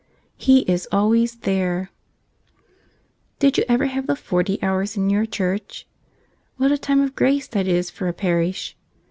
132 10e is aitoaps Cftete DID you ever have the Forty Hours in your | church? What a time of grace that is for a parish!